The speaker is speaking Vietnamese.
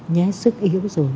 nhé sức yếu rồi